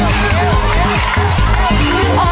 อนเทไปเลยลูก